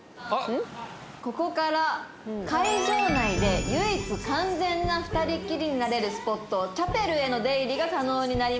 「ここから会場内で唯一完全な２人きりになれるスポットチャペルへの出入りが可能になります」